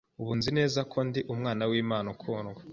Ubu nzi neza ko ndi umwana w’Imana ukundwa,